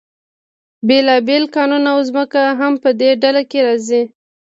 بیلابیل کانونه او ځمکه هم په دې ډله کې راځي.